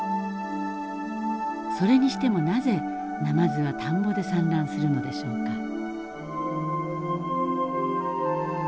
それにしてもなぜナマズは田んぼで産卵するのでしょうか。